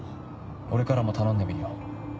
俺からも頼んでみるよ。